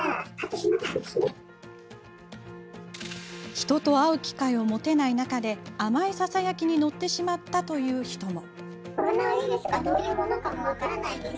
人と会う機会を持てない中で甘いささやきに乗ってしまったという人も。